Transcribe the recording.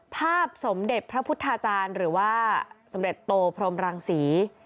สมเด็จพระพุทธาจารย์หรือว่าสมเด็จโตพรมรังศรี